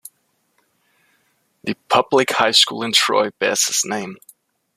The public high school in Troy bears his name.